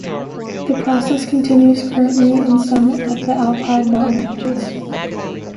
The process continues currently in some of the Alpide mountain ranges.